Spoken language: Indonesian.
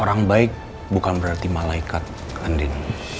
orang baik bukan berarti malaikat andin